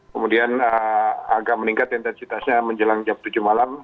kemudian agak meningkat intensitasnya menjelang jam tujuh malam